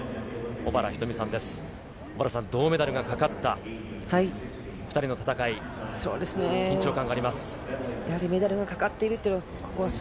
小原さん、銅メダルがかかった２人の戦い、緊張感があります。